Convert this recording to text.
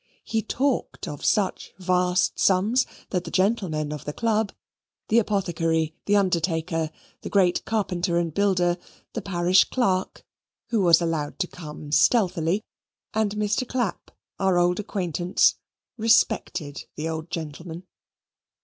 He talked of such vast sums that the gentlemen of the club (the apothecary, the undertaker, the great carpenter and builder, the parish clerk, who was allowed to come stealthily, and Mr. Clapp, our old acquaintance,) respected the old gentleman.